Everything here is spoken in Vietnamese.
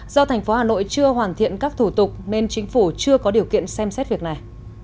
do thành phố hà nội chưa hoàn thiện các thủ tục nên chính phủ chưa có điều kiện xem xét việc này